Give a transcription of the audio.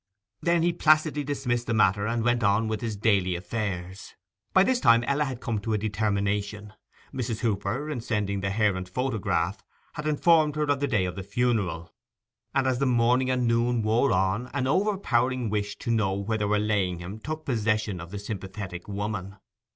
Then he placidly dismissed the matter, and went on with his daily affairs. By this time Ella at home had come to a determination. Mrs. Hooper, in sending the hair and photograph, had informed her of the day of the funeral; and as the morning and noon wore on an overpowering wish to know where they were laying him took possession of the sympathetic woman.